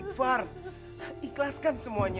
dari langua depannya